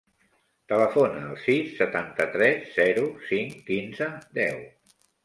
Telefona al sis, setanta-tres, zero, cinc, quinze, deu.